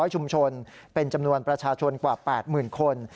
ชุมชนเป็นจำนวนประชาชนกว่า๘๐๐๐คน